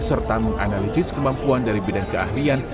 serta menganalisis kemampuan dari bidang keahlian